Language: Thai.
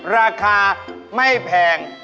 ราคาไม่แพง